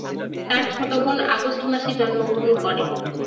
তার ছোট বোন আগস্ট মাসে জন্মগ্রহণ করে।